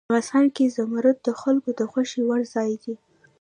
افغانستان کې زمرد د خلکو د خوښې وړ ځای دی.